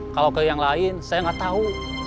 kalau ke yang lain saya nggak tahu